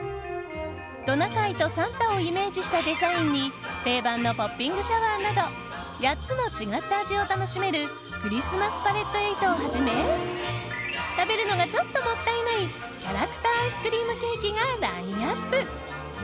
トナカイとサンタをイメージしたデザインに定番のポッピングシャワーなど８つの違った味を楽しめるクリスマスパレット８をはじめ食べるのがちょっともったいないキャラクターアイスクリームケーキがラインアップ。